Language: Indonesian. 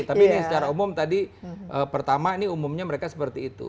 tapi ini secara umum tadi pertama ini umumnya mereka seperti itu